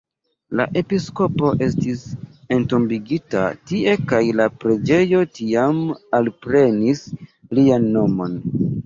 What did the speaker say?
La episkopo estis entombigita tie kaj la preĝejo tiam alprenis lian nomon.